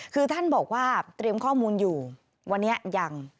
คือท่านบอกว่าเตรียมข้อมูลอยู่วันนี้ยัง